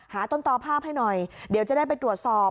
ต้นตอภาพให้หน่อยเดี๋ยวจะได้ไปตรวจสอบ